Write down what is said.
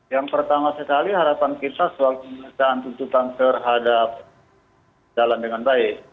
yang pertama sekali harapan kita soal pemeriksaan tuntutan terhadap jalan dengan baik